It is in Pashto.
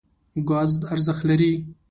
ګاز ارزښت لري.